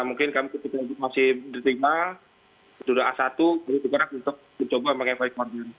mungkin kami masih diterima sudah a satu jadi sekarang kita coba pakai korden